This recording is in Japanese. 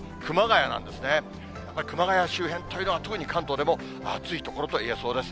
やっぱり熊谷周辺というのは、特に関東でも暑い所といえそうです。